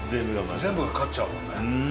全部が勝っちゃうもんね。